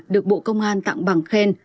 được bộ công an tặng bằng khen